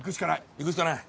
いくしかない